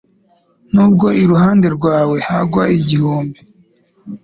N’ubwo iruhande rwawe hagwa igihumbi